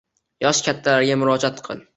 Yoshi kattalarga murojaat qil